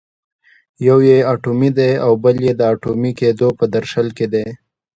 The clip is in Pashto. یو یې اټومي دی او بل یې د اټومي کېدو په درشل کې دی.